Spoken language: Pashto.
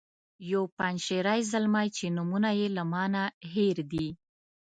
یو پنجشیری زلمی چې نومونه یې له ما نه هیر دي.